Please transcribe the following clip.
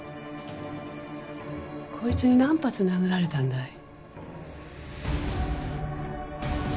こいつに何発殴られたんだい？